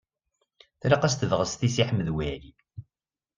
Tlaq-as tebɣest i Si Ḥmed Waɛli.